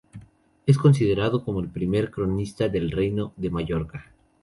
Es considerado como el primer cronista del Reino de Mallorca.